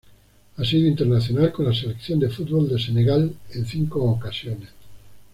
Ha sido internacional con la selección de fútbol de Senegal en cinco ocasiones.